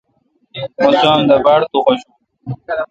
مہ سوام دا باڑ تو خوشون۔